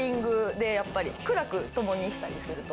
共にしたりすると。